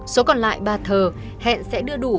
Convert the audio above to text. số còn lại bà thờ hẹn sẽ đưa đủ